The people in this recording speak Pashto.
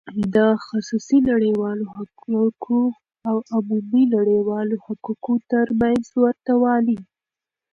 د خصوصی نړیوالو حقوقو او عمومی نړیوالو حقوقو تر منځ ورته والی :